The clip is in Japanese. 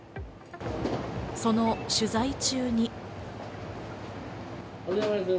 その取材中に。